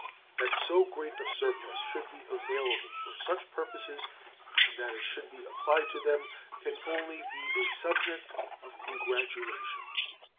That so great a surplus should be available for such purposes, and that it should be applied to them, can only be a subject of congratulation.